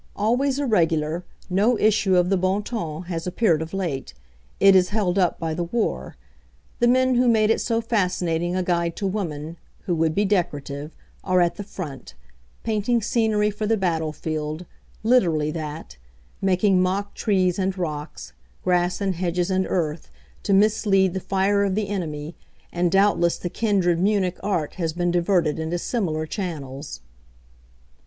Always irregular, no issue of the Bon Ton has appeared of late. It is held up by the war. The men who made it so fascinating a guide to woman "who would be decorative," are at the front, painting scenery for the battlefield literally that: making mock trees and rocks, grass and hedges and earth, to mislead the fire of the enemy, and doubtless the kindred Munich art has been diverted into similar channels.